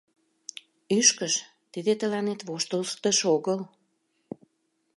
Ӱшкыж — тиде тыланет воштылтыш огыл.